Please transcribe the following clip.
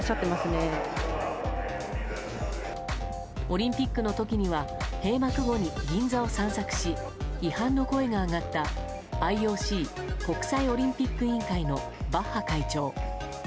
オリンピアンの時には閉幕後に銀座を散策し批判の声が上がった、ＩＯＣ・国際オリンピック委員会のバッハ会長。